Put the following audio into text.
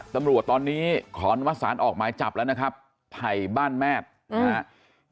ตำรวจตอนนี้ขอนวสานออกมาจับแล้วนะครับภัยบ้านแม่ดนะฮะ